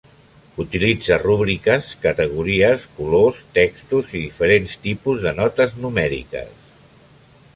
Utilitza rúbriques, categories, colors, textos, diferents tipus de notes numèriques.